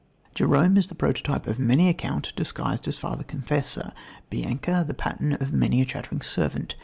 Jerome is the prototype of many a count disguised as father confessor, Bianca the pattern of many a chattering servant.